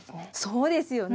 そうですよね。